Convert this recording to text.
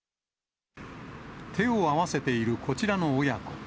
手を合わせているこちらの親子。